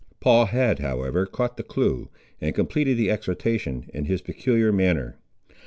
Paul had however caught the clue and completed the exhortation, in his peculiar manner.